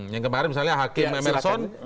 yang kemarin misalnya hakim emerson